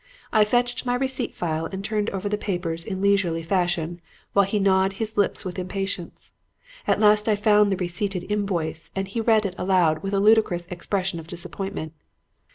I fetched my receipt file and turned over the papers in leisurely fashion while he gnawed his lips with impatience. At last I found the receipted invoice and he read it aloud with a ludicrous expression of disappointment.